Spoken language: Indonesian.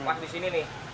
pas di sini nih